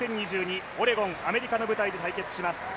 オレゴン、アメリカの舞台で対決します。